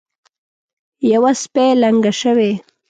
یوه سپۍ لنګه شوې.